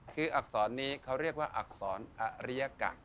คืออักษรนี้เขาเรียกว่าอักษรอริยกะ